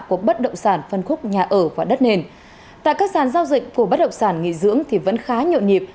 của bất động sản phân khúc nhà ở và đất nền tại các sàn giao dịch của bất động sản nghỉ dưỡng thì vẫn khá nhộn nhịp